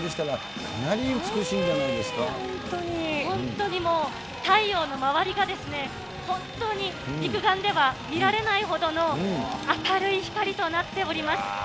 本当にもう、太陽の周りが、本当に肉眼では見られないほどの明るい光となっております。